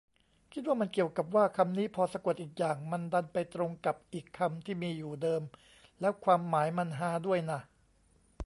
คิดว่ามันเกี่ยวกับว่า คำนี้พอสะกดอีกอย่าง มันดันไปตรงกับอีกคำที่มีอยู่เดิม แล้วความหมายมันฮาด้วยน่ะ